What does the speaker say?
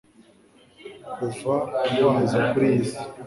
Kuva waza kuri iyi si